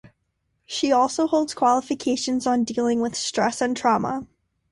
She also holds qualifications on dealing with stress and trauma.